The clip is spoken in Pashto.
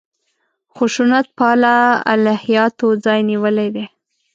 خشونت پاله الهیاتو ځای نیولی دی.